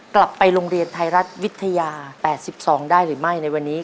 กลับไปโรงเรียนไทยรัฐวิทยา๘๒ได้หรือไม่ในวันนี้